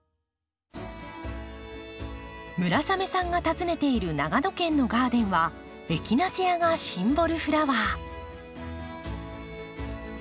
村雨さんが訪ねている長野県のガーデンはエキナセアがシンボルフラワー。